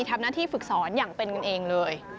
ทำหน้าที่ฝึกสอนอย่างเป็นกันเองเลย